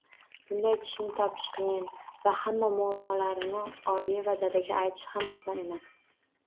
Bunday kishini topish qiyin va hamma muammolarini oyi va dadaga aytish ham oson emas